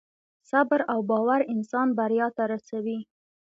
صبر او باور انسان بریا ته رسوي.